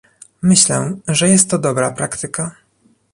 Myślę, że jest to dobra praktyka